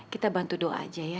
kita bantu doa aja ya